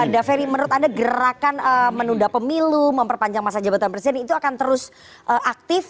daveri menurut anda gerakan menunda pemilu memperpanjang masa jabatan presiden itu akan terus aktif